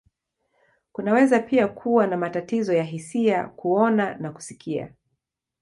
Kunaweza pia kuwa na matatizo ya hisia, kuona, na kusikia.